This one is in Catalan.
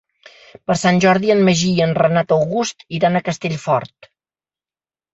Per Sant Jordi en Magí i en Renat August iran a Castellfort.